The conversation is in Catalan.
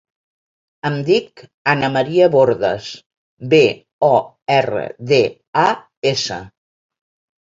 Em dic Ana maria Bordas: be, o, erra, de, a, essa.